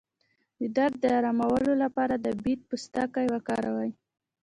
د درد د ارامولو لپاره د بید پوستکی وکاروئ